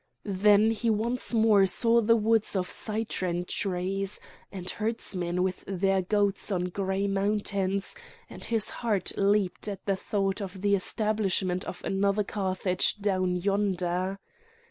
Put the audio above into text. Then he once more saw the woods of citron trees, and herdsmen with their goats on grey mountains; and his heart leaped at the thought of the establishment of another Carthage down yonder.